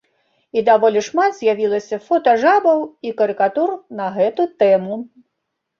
І даволі шмат з'явілася фотажабаў і карыкатур на гэту тэму.